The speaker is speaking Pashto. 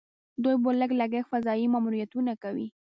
دوی په لږ لګښت فضايي ماموریتونه کوي.